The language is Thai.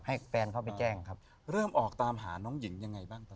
ให้แฟนเข้าไปแจ้งครับเริ่มออกตามหาน้องหญิงยังไงบ้างตอน